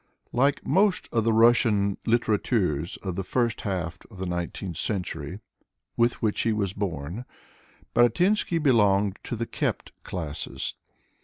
Like most of the Russian litterateurs of the first half of the nineteenth century, with which he was born, Baratynsky be longed to the kept classes.